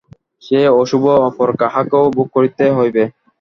সেই অশুভ অপর কাহাকেও ভোগ করিতে হইবে।